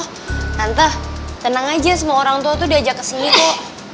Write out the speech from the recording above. oh nanteh tenang aja semua orang tua tuh diajak kesini kok